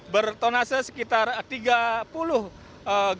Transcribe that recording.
bertonase sekitar tiga puluh gram